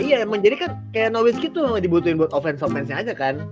iya emang jadi kan kayak nowitzki tuh gak dibutuhin buat offense offense nya aja kan